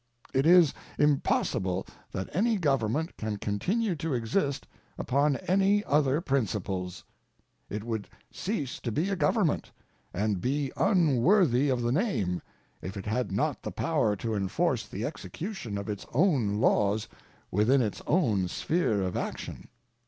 It is impossible that any government can continue to exist upon any other principles. It would cease to be a government and be unworthy of the name if it had not the power to enforce the execution of its own laws within its own sphere of action.